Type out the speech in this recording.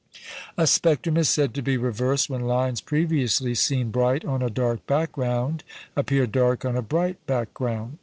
A spectrum is said to be "reversed" when lines previously seen bright on a dark background appear dark on a bright background.